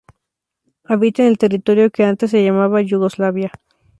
Habita en el territorio que antes se llamaba Yugoslavia.